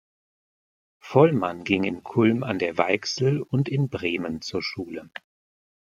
Vollmann ging in Kulm an der Weichsel und in Bremen zur Schule.